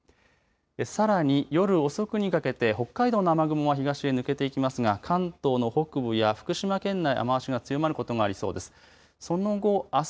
さらに夜遅くにかけて北海道の雨雲は東へ抜けていきますが関東の北部や福島県内雨足が強まることがありそうです。